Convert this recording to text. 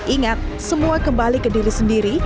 ingat semua kembali ke diri sendiri